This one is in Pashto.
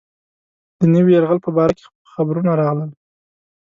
د نوي یرغل په باره کې خبرونه راغلل.